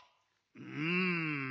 うん。